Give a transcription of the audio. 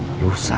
nenek mau nikah